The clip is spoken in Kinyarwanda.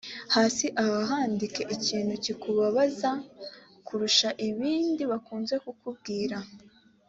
hasi aha handike ikintu kikubabaza kurusha ibindi bakunze kukubwira